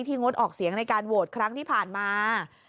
งดออกเสียงในการโหวตครั้งที่ผ่านมา